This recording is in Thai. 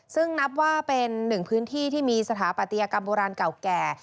ซึ่งนับว่าเป็นหนึ่งพื้นที่ที่มีสถาปัตยกรรมโบราณเก่าแก่